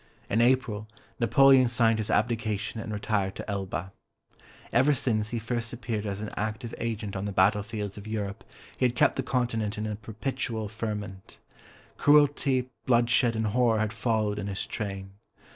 In April, Napoleon signed his abdication and retired to Elba. Ever since he first appeared as an active agent on the battlefields of Europe he had kept the Continent in a perpetual ferment; cruelty, bloodshed and horror had followed in his train.